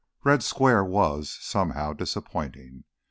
7 Red Square was, somehow, disappointing.